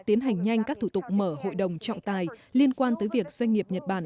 tiến hành nhanh các thủ tục mở hội đồng trọng tài liên quan tới việc doanh nghiệp nhật bản